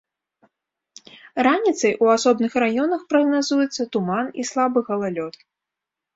Раніцай у асобных раёнах прагназуецца туман і слабы галалёд.